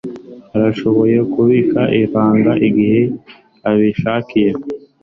Arashoboye kubika ibanga igihe abishakiye.